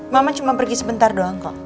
mama cuma pergi sebentar doang kok